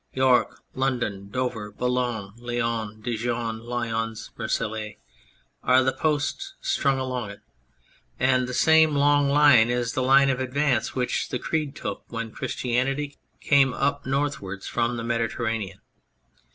York, London, Dover, Boulogne, Laon, Dijon, Lyons, Marseilles are the posts strung along it, and the same long line is the line of advance which the Creed took when Christianity came up northwards from the Mediter ranean.